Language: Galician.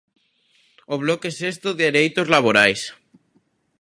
O bloque sexto, dereitos laborais.